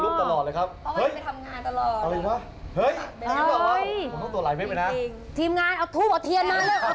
คนที่ถูกตรวจขนลูกตลอดเลยครับ